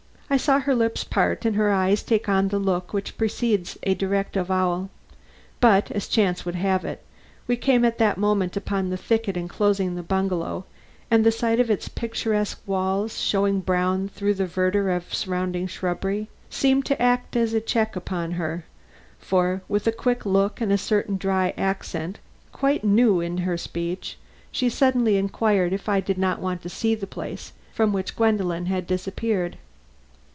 I saw her lips part and her eyes take on the look which precedes a direct avowal, but, as chance would have it, we came at that moment upon the thicket inclosing the bungalow, and the sight of its picturesque walls, showing brown through the verdure of the surrounding shrubbery, seemed to act as a check upon her, for, with a quick look and a certain dry accent quite new in her speech, she suddenly inquired if I did not want to see the place from which Gwendolen had disappeared.